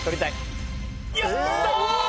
やった！